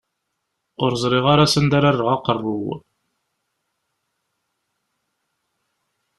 Ur ẓriɣ ara s anda ara rreɣ aqerru-w.